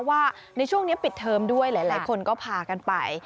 ว่าในช่วงนี้ปิดเทอมด้วยหลายคนก็พากันไป